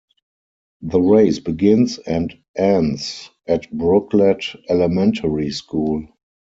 The race begins and ends at Brooklet Elementary School.